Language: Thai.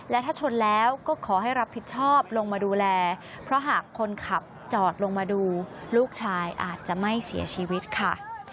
และถ้าชนแล้วก็ขอให้รับผิดชอบลงมาดูแลเพราะหากคนขับจอดลงมาดูลูกชายอาจจะไม่เสียชีวิตค่ะ